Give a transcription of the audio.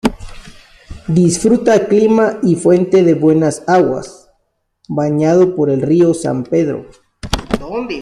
Disfruta clima y fuente de buenas aguas, bañado por el río Pedro.